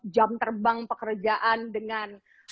jam terbang pekerjaan dengan